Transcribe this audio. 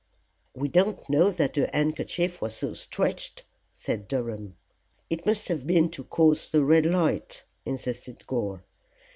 "We don't know that a handkerchief was so stretched," said Durham. "It must have been to cause the red light," insisted Gore.